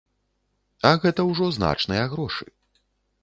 А гэта ўжо значныя грошы.